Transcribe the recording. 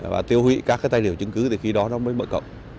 và tiêu hủy các tài liệu chứng cứ thì khi đó nó mới mở rộng